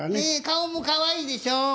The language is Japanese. ええ顔もかわいいでしょ？